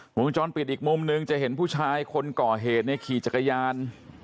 วงจรปิดอีกมุมหนึ่งจะเห็นผู้ชายคนก่อเหตุในขี่จักรยาน